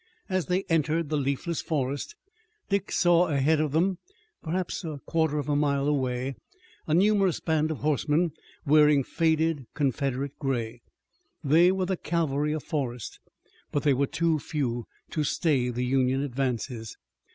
As they entered the leafless forest Dick saw ahead of them, perhaps a quarter of a mile away, a numerous band of horsemen wearing faded Confederate gray. They were the cavalry of Forrest, but they were too few to stay the Union advances.